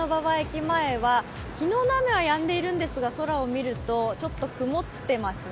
前は昨日の雨はやんでいるんですが空を見ると、ちょっと曇ってますね